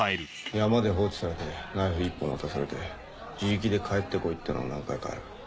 山で放置されてナイフ１本渡されて「自力で帰って来い」ってのは何回かある。